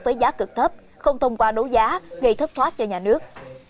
với giá cực thấp không thông qua đấu giá gây thất thoát cho nhà nước